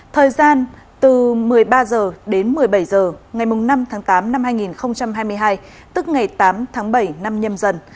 thời gian từ một mươi ba h đến một mươi bảy h ngày năm tháng tám năm hai nghìn hai mươi hai tức ngày tám tháng bảy năm nhâm dần